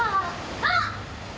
あっ！